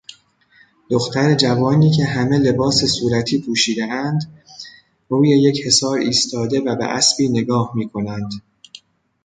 دختر جوانی که همه لباس صورتی پوشیدهاند، روی یک حصار ایستاده و به اسبی نگاه میکنند.